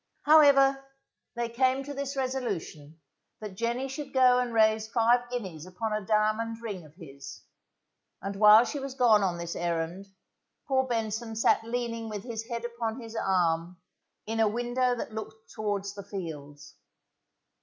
However, they came to this resolution, that Jenny should go and raise five guineas upon a diamond ring of his, and while she was gone on this errand, poor Benson sat leaning with his head upon his arm in a window that looked towards the fields.